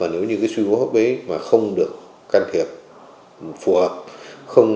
nếu suy vô hấp không được can thiệp phù hợp